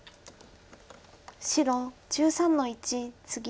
白１３の一ツギ。